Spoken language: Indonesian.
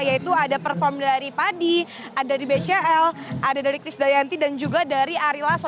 yaitu ada perform dari padi ada dari bcl ada dari chris dayanti dan juga dari ari lasso